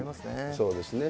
そうですね。